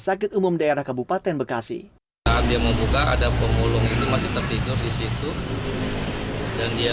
sakit umum daerah kabupaten bekasi saat dia membuka ada pemulung itu masih tertidur di situ dan dia